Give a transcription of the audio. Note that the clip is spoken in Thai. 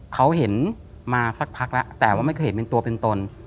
เขาเห็นมาสักพักแล้วแต่ว่าไม่เคยเห็นเป็นตัวเป็นตน